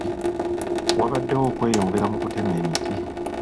Wabaddewo okweyongera mu kutema emiti.